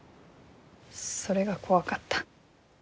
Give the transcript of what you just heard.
それが怖かった。